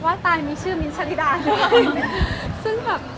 ว่าไม่ได้ชื่นชนิด่าน